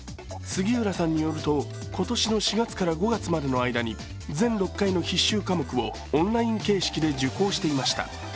杉浦さんによると、今年の４月から５月までの間に全６回の必修科目をオンライン形式で受講していました。